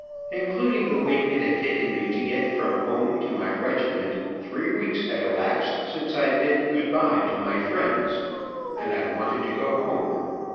Including the week it had taken me to get from home to my regiment, three weeks had elapsed since I bid good bye to my friends, and I wanted to go home.